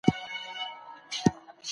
په کورنۍ زده کړه کي د ماشوم وړتیا نه پټېږي.